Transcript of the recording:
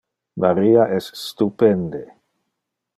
Maria es stupende.